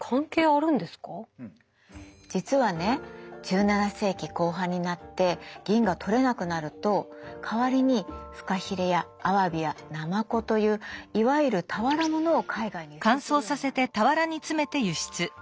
実はね１７世紀後半になって銀が採れなくなると代わりにフカヒレやアワビやナマコといういわゆる俵物を海外に輸出するようになるの。